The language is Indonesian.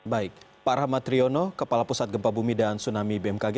baik pak rahmat riono kepala pusat gempa bumi dan tsunami bmkg